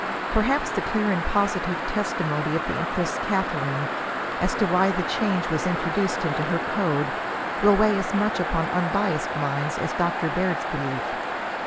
Perhaps the clear and positive testimony of the empress Catharine, as to why the change was introduced into her code, will weigh as much upon unbiassed minds, as Dr. Baird's belief.